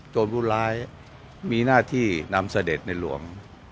ผู้ร้ายมีหน้าที่นำเสด็จในหลวง